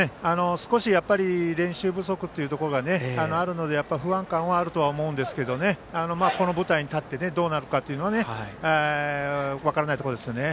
少し練習不足というのがあるので不安感はあると思いますがこの舞台に立って、どうなるか分からないところですよね。